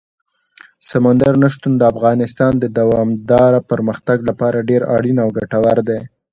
سمندر نه شتون د افغانستان د دوامداره پرمختګ لپاره ډېر اړین او ګټور دی.